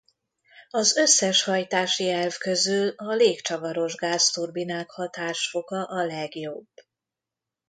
Az összes hajtási elv közül a légcsavaros gázturbinák hatásfoka a legjobb.